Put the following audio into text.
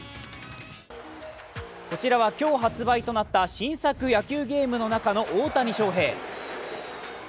こちらは今日発売となった新作野球ゲームの中の大谷翔平。